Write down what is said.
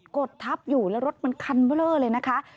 กดทับอยู่แล้วรถมันคันเบอร์เลอร์เลยนะคะ